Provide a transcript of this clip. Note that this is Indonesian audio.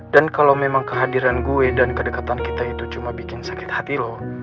dan kalau memang kehadiran gue dan kedekatan kita itu cuma bikin sakit hati lo